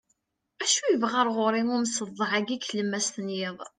acu yebɣa ɣur-i umseḍḍeɛ-agi deg tlemmast n yiḍ